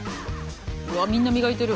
うわっみんな磨いてる。